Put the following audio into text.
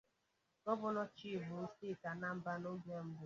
Gọvanọ Chịbụrụ Steeti Anambra n'oge mbụ